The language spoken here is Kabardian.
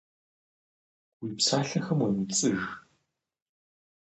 Уи псалъэхэм уемыпцӏыж.